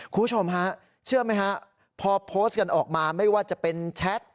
คุณผู้ชมฮะเชื่อไหมฮะพอโพสต์กันออกมาไม่ว่าจะเป็นแชท